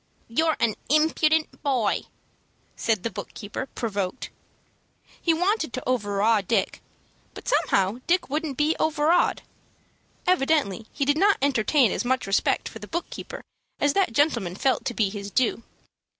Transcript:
"You're an impudent boy," said the book keeper, provoked. He wanted to overawe Dick; but somehow Dick wouldn't be overawed. Evidently he did not entertain as much respect for the book keeper as that gentleman felt to be his due.